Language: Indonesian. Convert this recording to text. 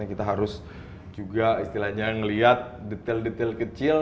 dan kita harus juga istilahnya ngelihat detail detail kecil